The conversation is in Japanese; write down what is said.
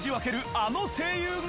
あの声優が！